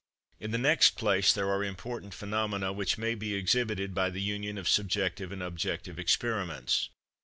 In the next place there are important phenomena which may be exhibited by the union of subjective and objective experiments.